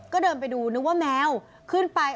ก็เดินไปดูนึกว่าแมวขึ้นไป